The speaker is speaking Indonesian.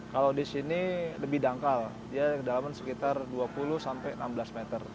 kalau di lpr dia lebih dangkal dia kedalaman sekitar dua puluh enam belas meter